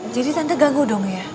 jadi tante ganggu dong ya